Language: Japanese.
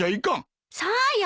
そうよ。